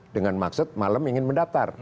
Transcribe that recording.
dengan maksud malam ingin mendaftar